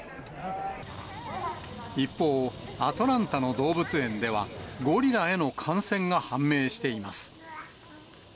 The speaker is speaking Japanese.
一方、アトランタの動物園では、ゴリラへの感染が判明しています。